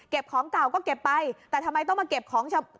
ของเก่าก็เก็บไปแต่ทำไมต้องมาเก็บของ